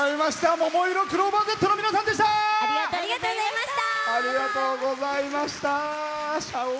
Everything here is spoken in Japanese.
ももいろクローバーＺの皆さんでした！